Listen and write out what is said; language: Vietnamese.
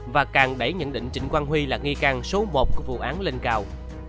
và càng đẩy nhận định trịnh quang huy là nghi can số một của vụ án lên cao